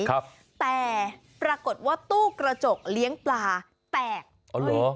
ครับแต่ปรากฏว่าตู้กระจกเลี้ยงปลาแตกอุ้ย